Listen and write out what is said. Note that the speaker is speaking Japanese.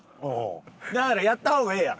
だからやった方がええやろ。